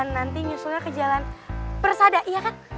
nanti nyusulnya ke jalan persada iya kan